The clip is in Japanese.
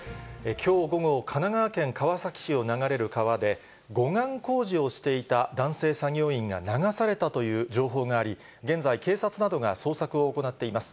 きょう午後、神奈川県川崎市を流れる川で、護岸工事をしていた男性作業員が流されたという情報があり、現在、警察などが捜索を行っています。